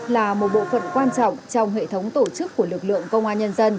là một bộ phận quan trọng trong hệ thống tổ chức của lực lượng công an nhân dân